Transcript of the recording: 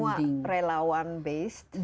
apakah ini semua relawan based